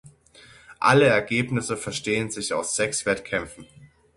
Alle Ergebnisse verstehen sich aus sechs Wettkämpfen.